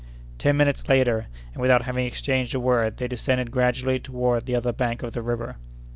Ten minutes later, and without having exchanged a word, they descended gradually toward the other bank of the river.